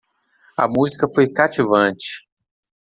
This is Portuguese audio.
A música foi cativante.